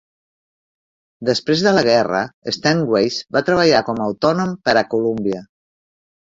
Després de la guerra, Steinweiss va treballar com autònom per a Columbia.